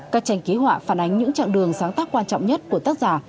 các tranh ký họa phản ánh những trạng đường sáng tác quan trọng nhất của tác giả